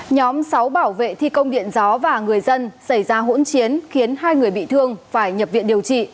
nhóm sáu bảo vệ thi công điện gió và người dân xảy ra hỗn chiến khiến hai người bị thương phải nhập viện điều trị